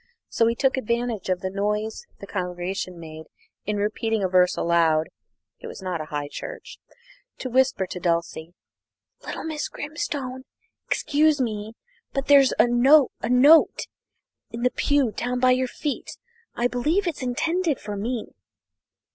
So he took advantage of the noise the congregation made in repeating a verse aloud (it was not a high church) to whisper to Dulcie: "Little Miss Grimstone, excuse me, but there's a a note in the pew down by your feet. I believe it's intended for me."